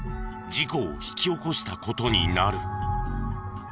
事故を引き起こした事になる。